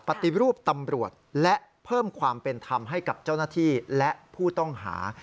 ปฏิรูปตำรวจและเพิ่มความเป็นธรรมให้กับเจ้าหน้าที่และผู้ต้องหา